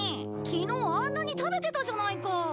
昨日あんなに食べてたじゃないか！